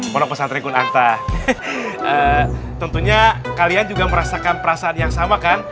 pada pesantriku tentunya kalian juga merasakan perasaan yang sama kan